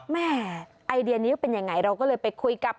แม่ไอเดียนี้เป็นยังไงเราก็เลยไปคุยกับ